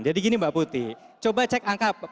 jadi gini mbak putih coba cek angka